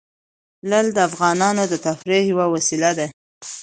لعل د افغانانو د تفریح یوه وسیله ده.